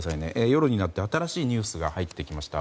ここで新しいニュースが入ってきました。